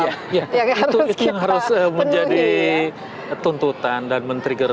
ya itu yang harus menjadi tuntutan dan men trigger